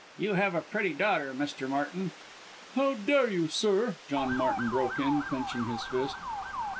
You have a pretty daughter, Mr. Martin?" "How dare you, sir?" John Martin broke in, clenching his fist.